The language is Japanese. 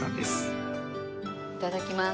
いただきます。